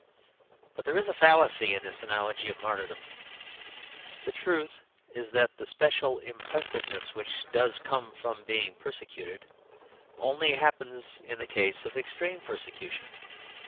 But there is a fallacy in this analogy of martyrdom. The truth is that the special impressiveness which does come from being persecuted only happens in the case of extreme persecution.